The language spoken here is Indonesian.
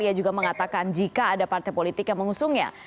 ia juga mengatakan jika ada partai politik yang mengusungnya